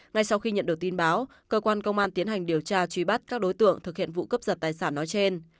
ngay sau khi nhận được tin báo cơ quan công an tiến hành điều tra truy bắt các đối tượng thực hiện vụ cướp giật tài sản nói trên